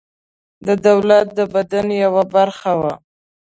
د دولت د بدن یوه برخه وه.